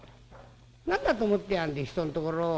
何だと思ってやがんだ人のところを。